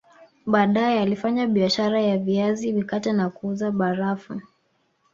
Baadae alifanya biashara ya viazi mikate na kuuza barafu